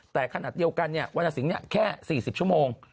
แต่ขณะเดียวกันเนี่ยวันนสิงเนี่ยแค่สี่สิบชั่วโมง